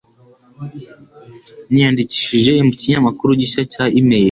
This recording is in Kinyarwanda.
Niyandikishije ku kinyamakuru gishya cya imeri.